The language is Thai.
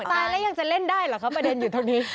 ตายแล้วยังจะเล่นได้เหรอครับอันแลนด์อยู่ตรงนี้